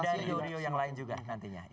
ada rio rio yang lain juga nantinya